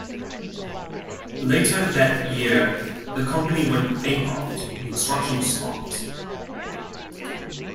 Later that year the company went bankrupt and construction stopped.